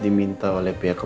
dia menang learned